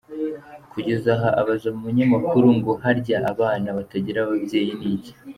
Kugeza aho abaza umunyamakuru ngo harya abana batagira ababyeyi ni iki ??